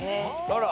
あら。